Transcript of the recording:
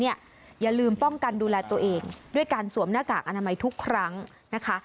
อย่าลืมป้องกันดูแลตัวเองด้วยการสวมหน้ากากอนามัยทุกครั้งนะคะ